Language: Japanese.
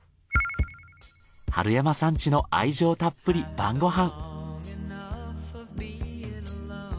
春山さん家の愛情たっぷり晩ご飯。